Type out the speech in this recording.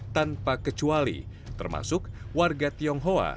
tanpa kecuali termasuk warga tionghoa